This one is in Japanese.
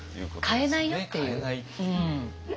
変えないっていう。